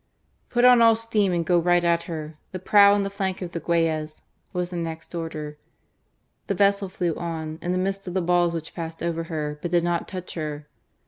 " Put on all steam and go right at her, the prow in the flank of the Guayas,'' was the next order. The vessel flew on, in the midst of the balls which passed over her, but did not touch her.